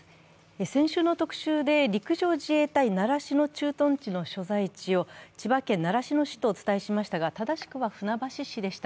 先週の特集で陸上自衛隊習志野駐屯地の所在地を千葉県習志野市とお伝えしましたが、正しくは船橋市でした。